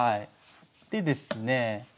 でですねえ